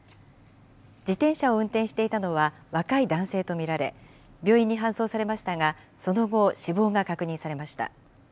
自転車を運転していたのは若い男性と見られ、病院に搬送されましたがその後、死亡が確認されました。